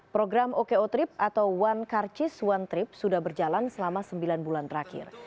program oko trip atau one carcis one trip sudah berjalan selama sembilan bulan terakhir